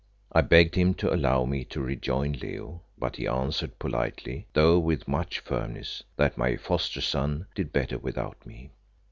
I begged him to allow me to rejoin Leo, but he answered politely, though with much firmness, that my foster son did better without me.